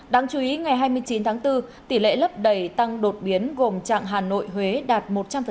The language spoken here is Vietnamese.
đáng chú ý ngày hai mươi chín tháng bốn tỷ lệ lấp đầy tăng đột biến gồm trạng hà nội huế đạt một trăm linh